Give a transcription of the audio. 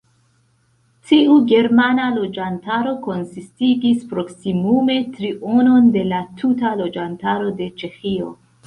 Tiu germana loĝantaro konsistigis proksimume trionon de la tuta loĝantaro de Ĉeĥio.